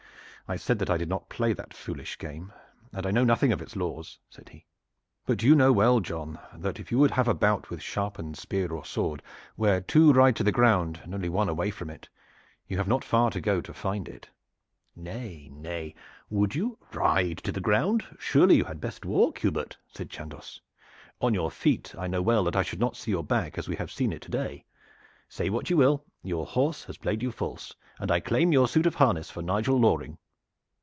"I said that I did not play that foolish game, and I know nothing of its laws," said he; "but you know well, John, that if you would have a bout with sharpened spear or sword, where two ride to the ground, and only one away from it, you have not far to go to find it." "Nay, nay, would you ride to the ground? Surely you had best walk, Hubert," said Chandos. "On your feet I know well that I should not see your back as we have seen it to day. Say what you will, your horse has played you false, and I claim your suit of harness for Nigel Loring."